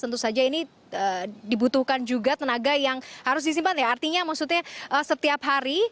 tentu saja ini dibutuhkan juga tenaga yang harus disimpan ya artinya maksudnya setiap hari